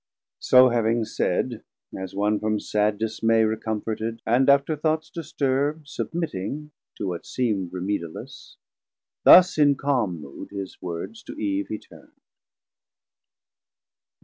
So having said, as one from sad dismay Recomforted, and after thoughts disturbd Submitting to what seemd remediless, Thus in calme mood his Words to Eve he turnd.